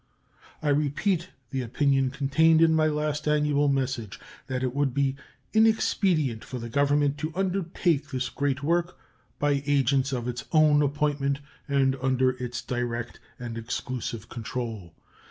I repeat the opinion contained in my last annual message that it would be inexpedient for the Government to undertake this great work by agents of its own appointment and under its direct and exclusive control.